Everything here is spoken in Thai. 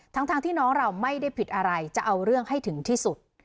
ทั้งที่น้องเราไม่ได้ผิดอะไรจะเอาเรื่องให้ถึงที่สุด